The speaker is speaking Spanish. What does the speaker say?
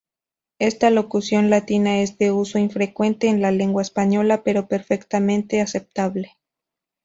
Esta locución latina es de uso infrecuente en la lengua española, pero perfectamente aceptable.